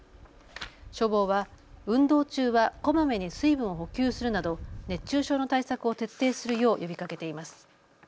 消防は運動中はこまめに水分を補給するなど熱中症の対策を徹底するよう呼びかけています。